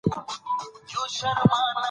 د ماشومانو د لوبو وخت مدیریت کوي.